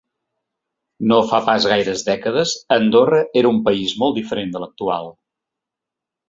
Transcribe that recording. No fa pas gaires dècades, Andorra era un país molt diferent de l’actual.